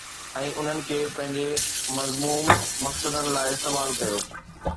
۽ انهن کي پنهنجي مذموم مقصدن لاءِ استعمال ڪيو